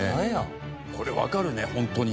これわかるねホントに。